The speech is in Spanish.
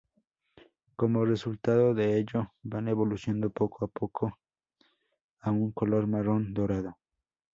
Como resultado de ello van evolucionando poco a poco a un color marrón dorado.